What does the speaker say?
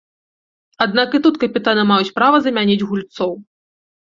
Аднак і тут капітаны маюць права замяніць гульцоў.